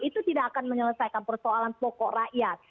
itu tidak akan menyelesaikan persoalan pokok rakyat